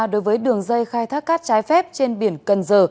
đối với đường dây khai thác cát trái phép trên biển cần giờ